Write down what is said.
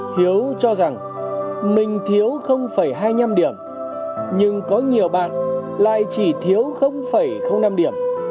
hiếu cho rằng mình thiếu hai mươi năm điểm nhưng có nhiều bạn lại chỉ thiếu năm điểm